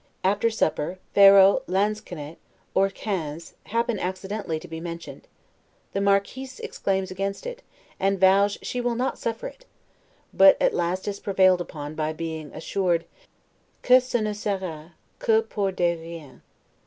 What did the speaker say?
After supper, pharaoh, lansquenet, or quinze, happen accidentally to be mentioned: the Marquise exclaims against it, and vows she will not suffer it, but is at last prevailed upon by being assured 'que ce ne sera que pour des riens'.